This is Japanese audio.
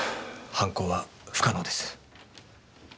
犯行は不可能です。